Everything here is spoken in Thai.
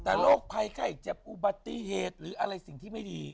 แต่โรคภัยไข้เจ็บอุบัติเหตุหรืออะไรสิ่งที่ไม่ดี